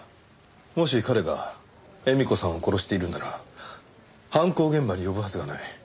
もし彼が絵美子さんを殺しているなら犯行現場に呼ぶはずがない。